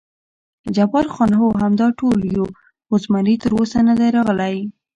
جبار خان: هو، همدا ټول یو، خو زمري تراوسه نه دی راغلی.